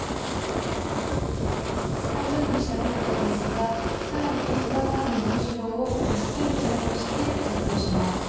下準備したネクタイですがさらに裏側の縫い代を１ｃｍ残してカットします。